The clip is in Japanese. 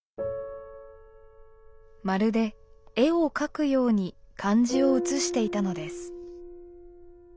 まるで絵を描くように漢字を写していたのです。